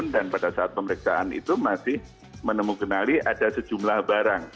dan pada saat pemeriksaan itu masih menemukan ada sejumlah barang